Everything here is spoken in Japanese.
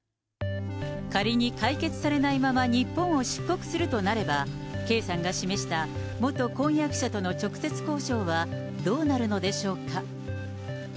仮に解決されないまま日本を出国するとなれば、圭さんが示した、元婚約者との直接交渉はどうなるのでしょうか。